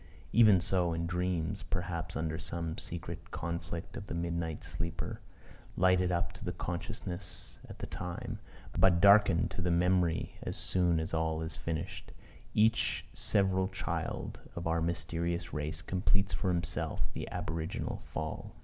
Even so in dreams, perhaps, under some secret conflict of the midnight sleeper, lighted up to the consciousness at the time, but darkened to the memory as soon as all is finished, each several child of our mysterious race completes for himself the aboriginal fall.